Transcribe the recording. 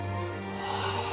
はあ。